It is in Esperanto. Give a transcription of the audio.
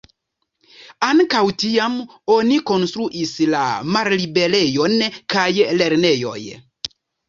Ankaŭ tiam oni konstruis la Malliberejon kaj Lernejoj.